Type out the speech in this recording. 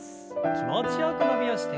気持ちよく伸びをして。